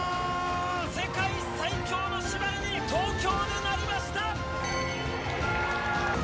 世界最強の姉妹に東京でなりました！